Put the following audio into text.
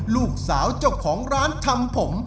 ลูกสาวเจ้าของร้านทำผม